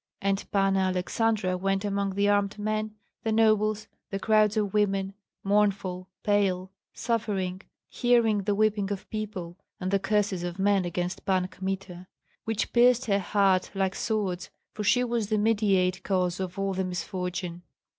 And Panna Aleksandra went among the armed men, the nobles, the crowds of women, mournful, pale, suffering, hearing the weeping of people, and the curses of men against Pan Kmita, which pierced her heart like swords, for she was the mediate cause of all the misfortune.